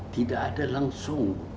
tidak ada langsung